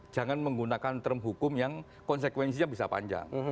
jangan menggunakan term hukum yang konsekuensinya bisa panjang